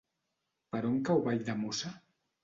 Per on cau Valldemossa?